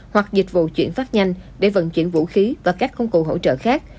hoặc dịch vụ chuyển phát nhanh để vận chuyển vũ khí và các công cụ hỗ trợ khác